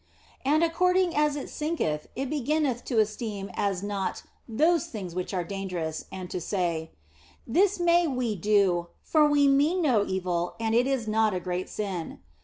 And according as it sinketh it be ginneth to esteem as naught those things which are dangerous, and to say, " This may we do, for we mean no evil and it is not a great sin."